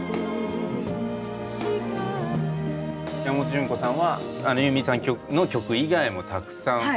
山本潤子さんはユーミンさんの曲以外もたくさん。